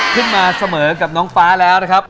ขึ้นมาเสมอกับน้องฟ้าแล้วนะครับ